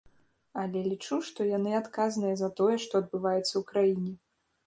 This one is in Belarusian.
Але лічу, што яны адказныя за тое, што адбываецца ў краіне.